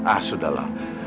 ah sudah lah